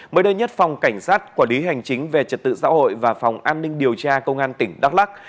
mới đây nhất phòng cảnh sát quản lý hành chính về trật tự xã hội và phòng an ninh điều tra công an tỉnh đắk lắc